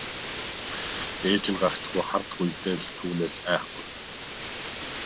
Ээж нь гагцхүү хардах үедээ л түүнээс айхгүй.